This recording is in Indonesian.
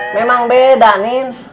memang beda niel